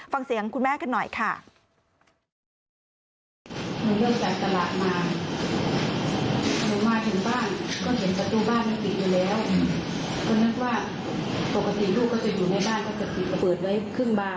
ฟังเสียงคุณแม่กันหน่อยค่ะ